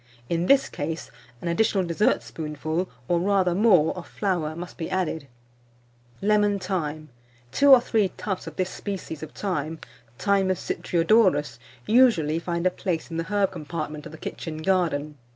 In this case, an additional dessertspoonful, or rather more, of flour must be added. [Illustration: LEMON THYME.] LEMON THYME. Two or three tufts of this species of thyme, Thymus citriodorus, usually find a place in the herb compartment of the kitchen garden.